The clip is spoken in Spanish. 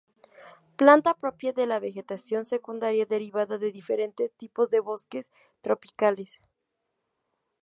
Planta propia de la vegetación secundaria derivada de diferentes tipos de bosques tropicales.